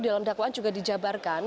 dalam dakwaan juga dijabarkan